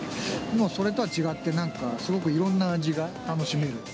それとは違ってなんか、すごくいろんな味が楽しめる。